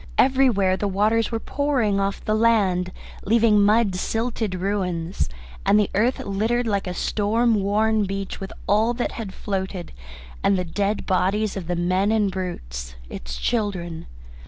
Everywhere the waters were pouring off the land, leaving mud silted ruins, and the earth littered like a storm worn beach with all that had floated, and the dead bodies of the men and brutes, its children.